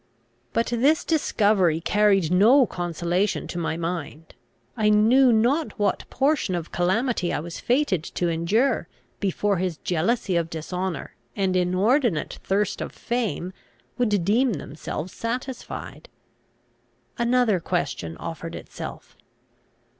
But this discovery carried no consolation to my mind. I knew not what portion of calamity I was fated to endure, before his jealousy of dishonour, and inordinate thirst of fame would deem themselves satisfied. Another question offered itself.